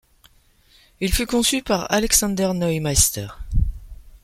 Il fut conçu par Alexander Neumeister.